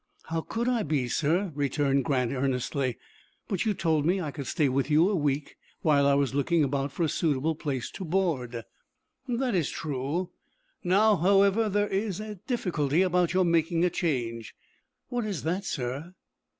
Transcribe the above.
"How could I be, sir?" returned Grant, earnestly. "But you told me I could stay with you a week, while I was looking about for a suitable place to board." "That is true. Now, however, there is a difficulty about your making a change." "What is that, sir?"